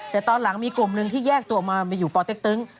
แต่ตอนหลังมีกลุ่มหนึ่งที่แยกตัวมามาอยู่ปเต็กตึ๊ง